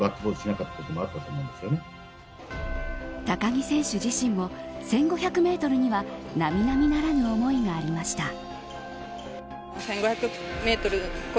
高木選手自身も１５００メートルには並々ならぬ思いがありました。